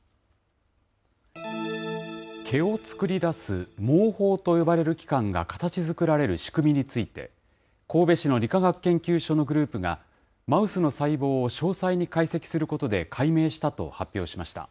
毛を作り出す毛包と呼ばれる器官が形づくられる仕組みについて、神戸市の理化学研究所のグループが、マウスの細胞を詳細に解析することで解明したと発表しました。